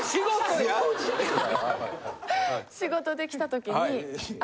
仕事で来た時にあ